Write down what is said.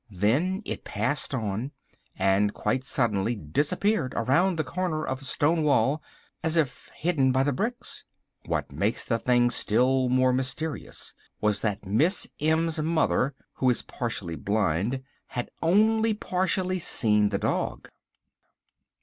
Then it passed on, and quite suddenly disappeared around the corner of a stone wall, as if hidden by the bricks. What made the thing still more mysterious was that Miss M's mother, who is partially blind, had only partially seen the dog."